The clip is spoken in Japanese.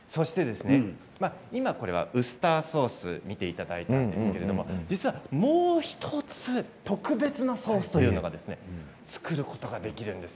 これはウスターソースを見ていただいたんですが実は、もう１つ特別なソースが作ることができるんです。